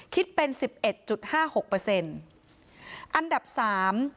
คิดเป็นสิบเอ็ดจุดห้าหกเปอร์เซ็นต์อันดับสาม